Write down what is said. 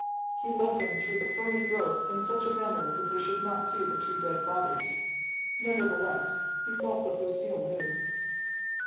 He led them through the ferny growth in such a manner that they should not see the two dead bodies. Nevertheless, he felt that Lucille knew.